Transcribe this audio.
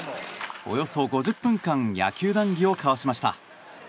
およそ５０分間野球談議を交わしました。